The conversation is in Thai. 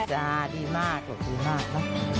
จ้าดีมากดีมาก